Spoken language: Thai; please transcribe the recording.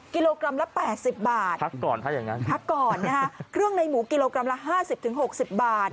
กิโลกรัมละ๘๐บาทพักก่อนพักก่อนนะครับเครื่องในหมูกิโลกรัมละ๕๐๖๐บาท